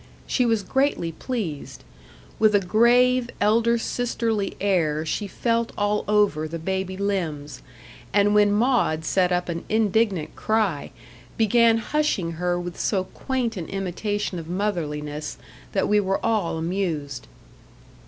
She was greatly pleased. With a grave elder sisterly air she felt all over the baby limbs, and when Maud set up an indignant cry, began hushing her with so quaint an imitation of motherliness, that we were all amused.